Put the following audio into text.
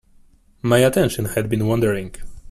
My attention had been wandering.